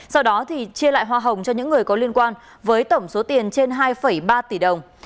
sau đó chia lại hoa hồng cho những người có liên quan với tổng số tiền trên hai ba tỷ đồng